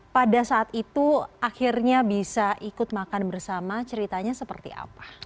pada saat itu akhirnya bisa ikut makan bersama ceritanya seperti apa